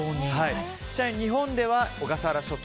ちなみに日本では小笠原諸島